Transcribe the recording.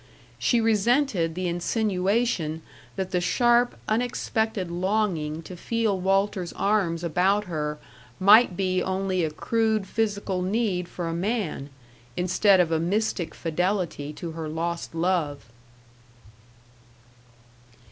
She resented the insinuation that the sharp, unexpected longing to feel Walter's arms about her might be only a crude physical need for a man, instead of a mystic fidelity to her lost love.